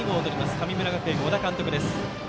神村学園、小田監督です。